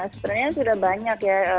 sebenarnya sudah banyak ya